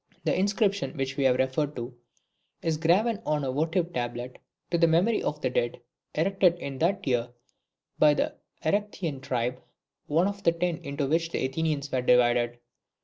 The inscription which we have referred to is graven on a votive tablet to the memory of the dead, erected in that year by the Erecthean tribe, one of the ten into which the Athenians were divided.